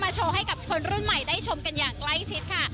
โชว์ให้กับคนรุ่นใหม่ได้ชมกันอย่างใกล้ชิดค่ะ